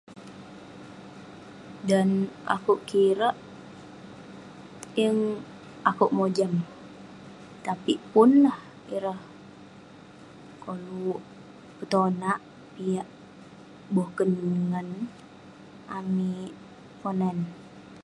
Dan akouk kirak, yeng akouk mojam. Tapik pun lah ireh koluk petonak piak boken ngan amik ponan